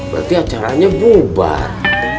berarti acaranya bubar